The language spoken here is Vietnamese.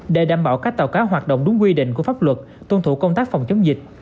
để đảm bảo các tàu cá hoạt động đúng quy định của pháp luật tuân thủ công tác phòng chống dịch